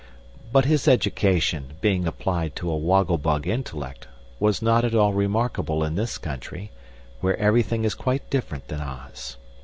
But his education, being applied to a woggle bug intellect, was not at all remarkable in this country, where everything is quite different than Oz.